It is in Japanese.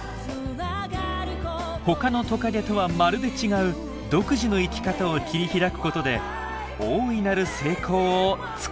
他のトカゲとはまるで違う独自の生き方を切り開くことで大いなる成功をつかんでいたのです。